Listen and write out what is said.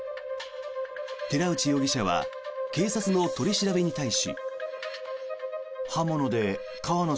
寺内容疑者は警察の取り調べに対し。